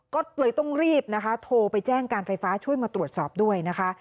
ก็เลยต้องรีบนะคะโทรไปแจ้งการไฟฟ้าช่วยมาตรวจสอบด้วยนะคะ